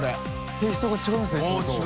テイストが違うんですねいつもと。）